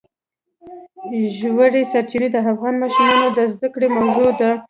ژورې سرچینې د افغان ماشومانو د زده کړې موضوع ده.